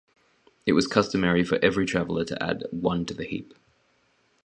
It was customary for every traveler to add one to the heap.